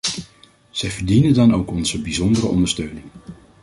Zij verdienen dan ook onze bijzondere ondersteuning.